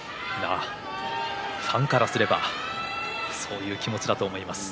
ファンからすればそういう気持ちだと思います。